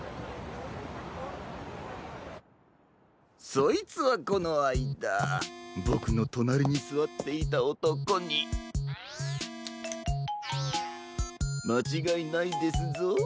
そいつはこのあいだボクのとなりにすわっていたおとこにまちがいないですぞ。